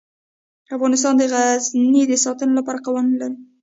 افغانستان د غزني د ساتنې لپاره قوانین لري.